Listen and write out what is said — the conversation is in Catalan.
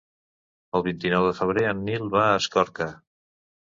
El vint-i-nou de febrer en Nil va a Escorca.